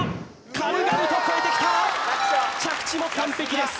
軽々と越えてきた着地も完璧です